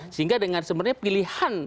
sehingga dengan sebenarnya pilihan